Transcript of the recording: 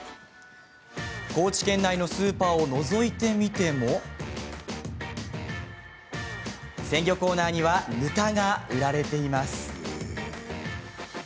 高知県内のスーパーをのぞいてみても鮮魚コーナーにはぬたが売られています。